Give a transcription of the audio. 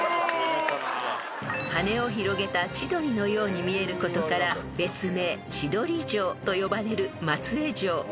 ［羽を広げた千鳥のように見えることから別名千鳥城と呼ばれる松江城］